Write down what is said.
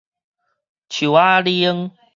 樹仔乳